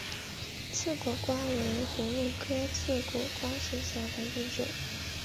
刺果瓜为葫芦科刺果瓜属下的一个种。